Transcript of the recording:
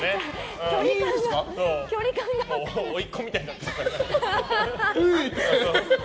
甥っ子みたいになってきてる。